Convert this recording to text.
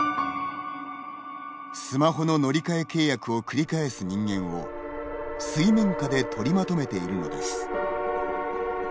スマホの乗り換え契約を繰り返す人間を水面下で取りまとめているのです。